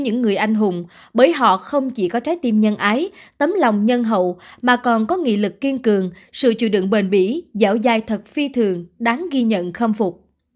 những người anh hùng bởi họ không chỉ có trái tim nhân ái tấm lòng nhân hậu mà còn có nghị lực kiên cường sự chịu đựng bền bỉ dẻo dai thật phi thường đáng ghi nhận khâm phục